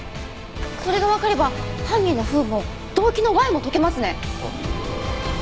それがわかれば犯人のＷＨＯも動機のＷＨＹも解けますね！